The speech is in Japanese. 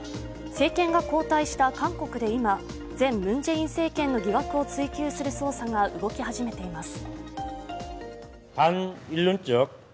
政権が交代した韓国で今、前ムン・ジェイン政権の疑惑を追及する捜査が動き始めています。